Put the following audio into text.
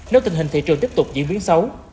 nếu tình hình thị trường tiếp tục diễn biến xấu